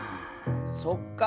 そっか。